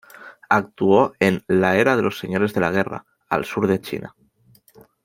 Actuó en la "era de los señores de la guerra" al sur de China.